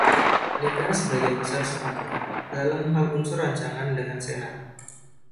DPR sebagian besar sepakat, dalam hal unsur rancangan, dengan Senat.